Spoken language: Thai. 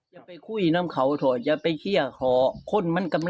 เห็นไหมเห็นทุกอย่างจะทำอะไรไม่ได้ตัวเอกก็ขาอ่อนไป